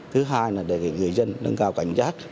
thứ hai là đề nghị người dân nâng cao cảnh giác